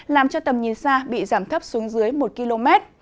làm cho tầm nhìn xa bị giảm thấp xuống dưới một km